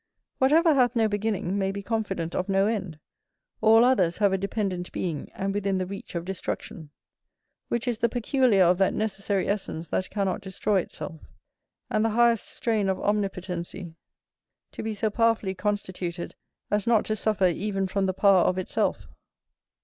Whatever hath no beginning, may be confident of no end; all others have a dependent being and within the reach of destruction; which is the peculiar of that necessary essence that cannot destroy itself; and the highest strain of omnipotency, to be so powerfully constituted as not to suffer even from the power of itself.